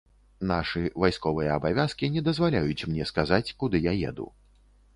Нашы вайсковыя абавязкі не дазваляюць мне сказаць, куды я еду.